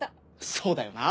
そうだよな。